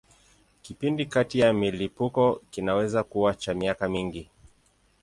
Kipindi kati ya milipuko kinaweza kuwa cha miaka mingi.